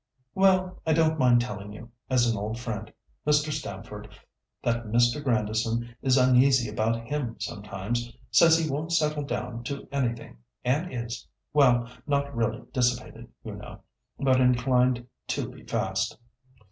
"Well, I don't mind telling you, as an old friend, Mr. Stamford, that Mr. Grandison is uneasy about him sometimes, says he won't settle down to anything, and is—well not really dissipated, you know, but inclined to be fast.